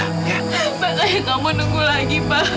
makanya kamu nunggu lagi pak